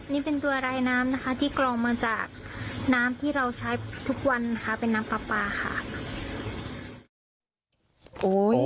นี่เป็นตัวรายน้ำนะคะที่กรองมาจากน้ำที่เราใช้ทุกวันนะคะเป็นน้ำปลาปลาค่ะ